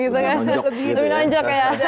lebih nonjok ya